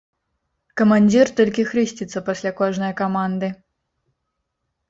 Камандзір толькі хрысціцца пасля кожнае каманды.